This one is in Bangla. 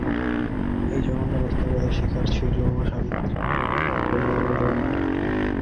এই জঘন্য বাস্তবতার প্রথম শিকার ছিল সাবিত্রি, প্রেরণার মা।